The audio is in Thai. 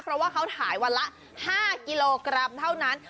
เพราะว่าเขาถ่ายวันละ๕กิโลกรัมเท่านั้น